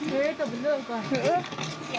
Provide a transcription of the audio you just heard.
เฮ้จะมันเลิกก่อน